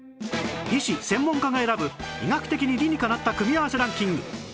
医師・専門家が選ぶ医学的に理にかなった組み合わせランキング